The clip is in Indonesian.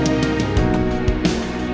menjaga kemampuan bapak